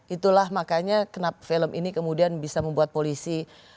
itulah makanya kenapa film ini kemudian bisa membuat polisi